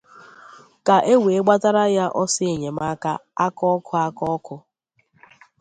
ka e wee gbatara ya ọsọ enyemaka aka-ọkụ aka-ọkụ.